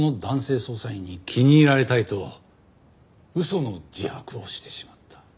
捜査員に気に入られたいと嘘の自白をしてしまった。